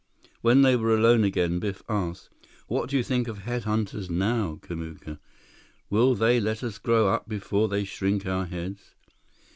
When they were alone again, Biff asked: "What do you think about head hunters now, Kamuka? Will they let us grow up before they shrink our heads?"